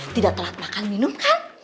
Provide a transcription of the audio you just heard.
tidak telat makan minum kan